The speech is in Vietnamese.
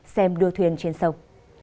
xem đua thuyền trên sông